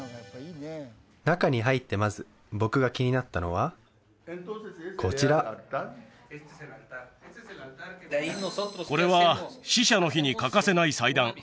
中に入ってまず僕が気になったのはこちらこれは死者の日に欠かせない祭壇